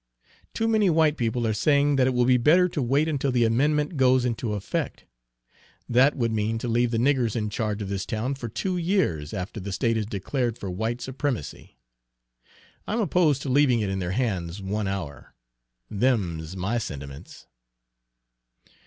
Too many white people are saying that it will be better to wait until the amendment goes into effect. That would mean to leave the niggers in charge of this town for two years after the state has declared for white supremacy! I'm opposed to leaving it in their hands one hour, them's my sentiments!"